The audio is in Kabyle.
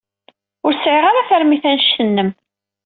Ur sɛiɣ ara tarmit anect-nnem.